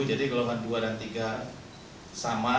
jadi golongan dua dan tiga sama